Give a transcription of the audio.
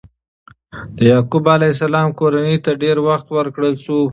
د یعقوب علیه السلام کورنۍ ته ډېر وخت ورکړل شو.